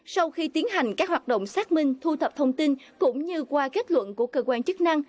sau khi tiến hành các hoạt động xác minh thu thập thông tin cũng như qua kết luận của cơ quan chức năng